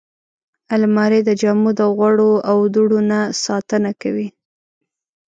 الماري د جامو د غوړو او دوړو نه ساتنه کوي